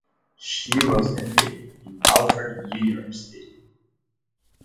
She was educated in Alfred University.